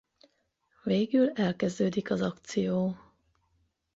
Végül elkezdődik az akció.